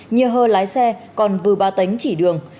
nhiê hơ lái xe còn vừa ba tính chỉ đường